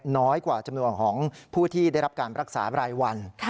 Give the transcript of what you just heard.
น้อยกว่าจำนวนของผู้ที่ได้รับการรักษารายวัน